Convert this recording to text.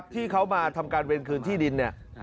ที่เขามาทำการเวรคืนที่ดินเนี่ย